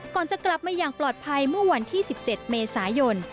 ก่อนจะกลับมาอย่างปลอดภัยเมื่อวันที่๑๗เมษายน